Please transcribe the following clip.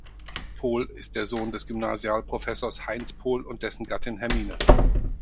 Pohl ist der Sohn des Gymnasialprofessors Heinz Pohl und dessen Gattin Hermine.